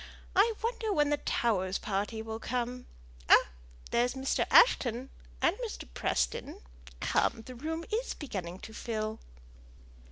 I wonder when the Towers' party will come. Ah! there's Mr. Ashton, and Mr. Preston. Come, the room is beginning to fill."